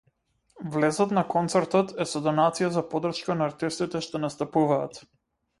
Влезот на концертот е со донација за поддршка на артистите што настапуваат.